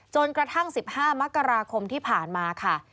จนกระทั่ง๑๕มกราคมที่ผ่านมาค่ะ